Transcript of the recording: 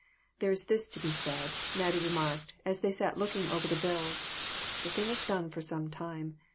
"There is this to be said," Mattie remarked, as they sat looking over their bills; "the thing is done for some time.